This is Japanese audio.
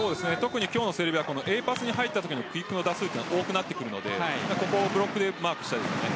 今日のセルビアはＡパスに入ったときのクイックの打数が多くなってくるのでここをブロックでマークしたいですよね。